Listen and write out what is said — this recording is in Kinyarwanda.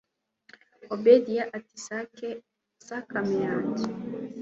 obedia ati sac a main yanjye